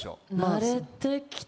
慣れてきた。